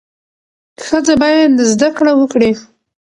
ښځه باید زده کړه وکړي.